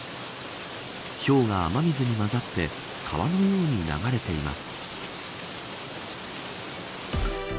ひょうが雨水にまざって川のように流れています。